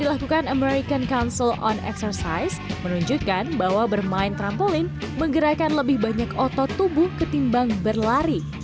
dilakukan american council on exercise menunjukkan bahwa bermain trampolin menggerakkan lebih banyak otot tubuh ketimbang berlari